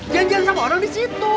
janjian sama orang di situ